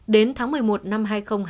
đến tháng một mươi một năm hai nghìn hai mươi